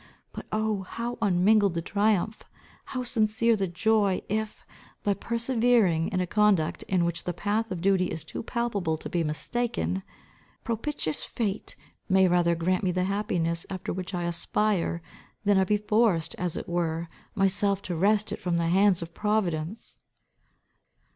But oh, how unmingled the triumph, how sincere the joy if, by persevering in a conduct, in which the path of duty is too palpable to be mistaken, propitious fate may rather grant me the happiness after which I aspire, than I be forced, as it were, myself to wrest it from the hands of providence!"